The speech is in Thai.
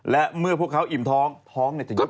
และเมื่อพวกเขาอิ่มท้องท้องจะยุบ